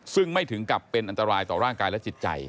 ซึ่งไม่ถึงกับเป็นอันตรายต่อร่างกายและจิตใจ